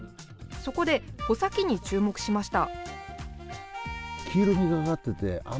そこで穂先に注目しました。